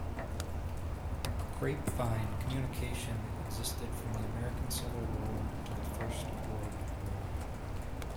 Grapevine communication existed from the American Civil War to the First World War.